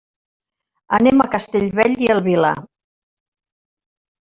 Anem a Castellbell i el Vilar.